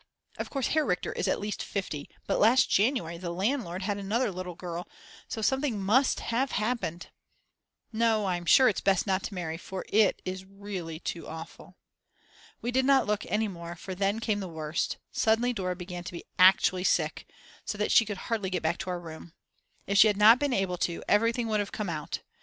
Of course Herr Richter is at least 50, but last January the landlord had another little girl, so something must have happened. No, I'm sure it's best not to marry, for it is really too awful. We did not look any more for then came the worst, suddenly Dora began to be actually sick, so that she could hardly get back to our room. If she had not been able to, everything would have come out.